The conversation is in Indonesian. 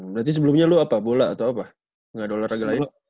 berarti sebelumnya lo apa bola atau apa nggak ada olahraga lain